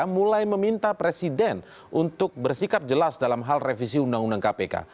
mulai meminta presiden untuk bersikap jelas dalam hal revisi undang undang kpk